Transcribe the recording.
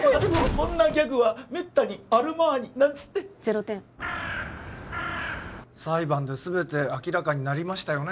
こんなギャグはめったにアルマーニなんつって０点裁判で全て明らかになりましたよね